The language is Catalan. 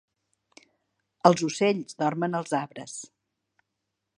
Els ocells dormen als arbres.